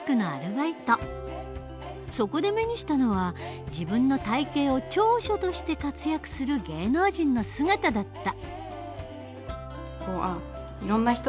そこで目にしたのは自分の体型を長所として活躍する芸能人の姿だった。